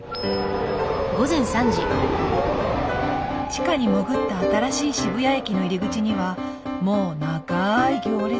地下に潜った新しい渋谷駅の入り口にはもう長い行列が。